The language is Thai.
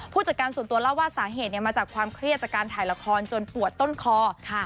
ผู้จัดการส่วนตัวเล่าว่าสาเหตุมาจากความเครียดจากการถ่ายละครจนปวดต้นคอค่ะ